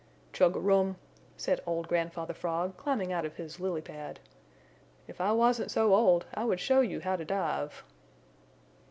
"Chug a rum," said old Grandfather Frog, climbing out of his lily pad. "If I wasn't so old I would show you how to dive."